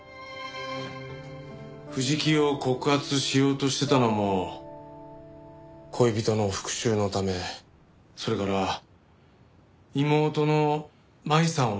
藤木を告発しようとしてたのも恋人の復讐のためそれから妹の舞さんを救うため。